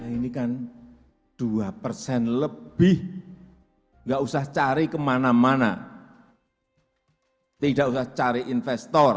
ini kan dua persen lebih nggak usah cari kemana mana tidak usah cari investor